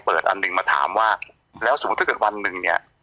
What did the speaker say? อันหนึ่งมาถามว่าแล้วสมมุติถ้าเกิดวันหนึ่งเนี่ย